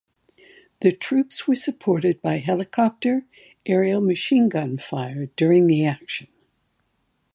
The troops were supported by helicopter aerial machinegun fire during the action.